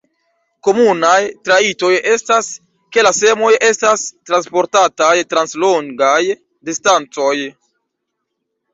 Komunaj trajtoj estas, ke la semoj estas transportataj trans longaj distancoj.